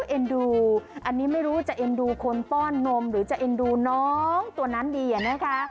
เอ็นดูอันนี้ไม่รู้จะเอ็นดูคนป้อนนมหรือจะเอ็นดูน้องตัวนั้นดีอะนะคะ